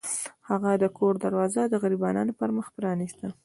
هغه د کور دروازه د غریبانو پر مخ پرانیسته.